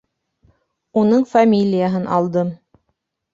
Уның фамилияһын алдым.